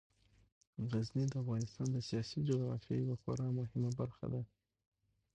غزني د افغانستان د سیاسي جغرافیې یوه خورا مهمه برخه ده.